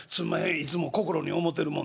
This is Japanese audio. いつも心に思ってるもん」。